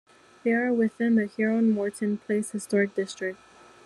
They are within the Herron-Morton Place Historic District.